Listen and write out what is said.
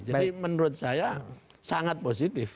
jadi menurut saya sangat positif